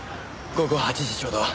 午後８時ちょうど。